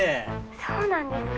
そうなんですか？